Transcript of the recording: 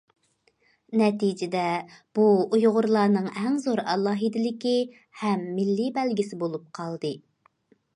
نەتىجىدە بۇ ئۇيغۇرلارنىڭ ئەڭ زور ئالاھىدىلىكى ھەم مىللىي بەلگىسى بولۇپ قالدى.